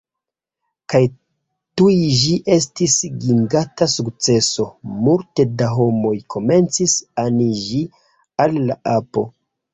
Kaj tuj ĝi estis giganta sukceso! Multe da homoj komencis aniĝi al la apo